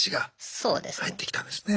そうですね。